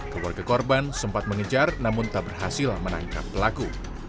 keluarga korban sempat mengejar namun tak berhasil menangkap pelaku